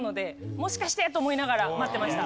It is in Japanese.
「もしかして」と思いながら待ってました。